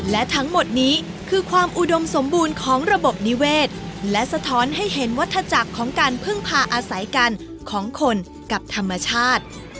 และทั้งหมดนี้คือความอุดมสมบูรณ์ของระบบนิเวศและสะท้อนให้เห็นวัฒนาจักรของการพึ่งพาอาศัยกันของคนกับธรรมชาติ